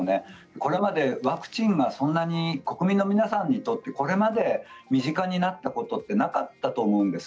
これまでワクチンがここまで国民の皆さんにとって身近になったことはなかったと思うんです。